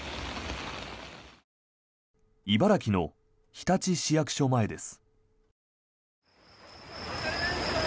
茨城の日立市役所前です。